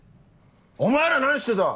お前ら何してた！